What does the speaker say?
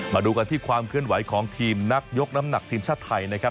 มาดูกันที่ความเคลื่อนไหวของทีมนักยกน้ำหนักทีมชาติไทยนะครับ